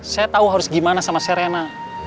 saya tahu harus gimana sama serena